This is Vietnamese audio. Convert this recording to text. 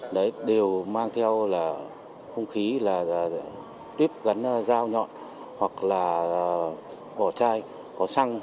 đấy đều mang theo là không khí là tiếp gắn dao nhọn hoặc là bỏ chai có xăng